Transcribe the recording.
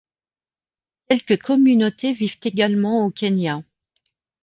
Quelques communautés vivent également au Kenya.